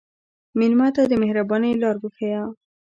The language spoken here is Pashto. مېلمه ته د مهربانۍ لاره وښیه.